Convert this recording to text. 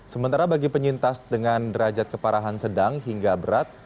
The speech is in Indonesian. sementara bagi penyintas dengan derajat keparahan sedang hingga berat